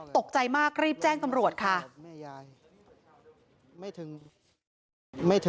ตกใจมากรีบแจ้งตำรวจค่ะ